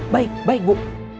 baik baik bu